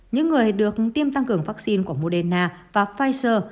những người được tiêm tăng cường vắc xin của moderna và pfizer